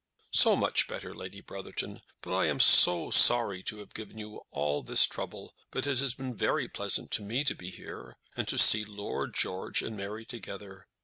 "So much better, Lady Brotherton! But I am so sorry to have given you all this trouble; but it has been very pleasant to me to be here, and to see Lord George and Mary together.